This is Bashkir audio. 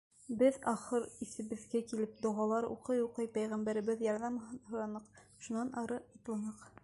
Беҙ, ахыр иҫебеҙгә килеп, доғалар уҡый-уҡый, пәйғәмбәрҙән ярҙам һораныҡ, шунан ары атланыҡ.